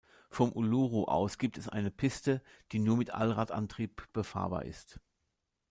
Vom Uluṟu aus gibt es eine Piste, die nur mit Allradantrieb befahrbar ist.